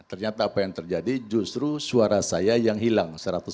ternyata apa yang terjadi justru suara saya yang hilang